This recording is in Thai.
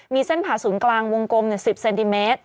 มีเส้นผ่าศูนย์กลางวงกลม๑๐เซนติเมตร